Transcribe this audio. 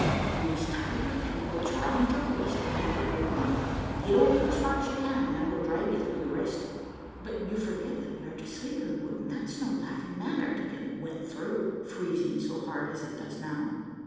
"You must tie your petticoats round your waist and make a good run; get over as far as you can, and I will drag you through the rest." "But you forget that we are to sleep in the wood, and that it's no laughing matter to get wet through, freezing so hard as it does now."